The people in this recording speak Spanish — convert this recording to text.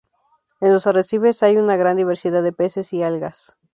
En los arrecifes hay una gran diversidad de peces y algas.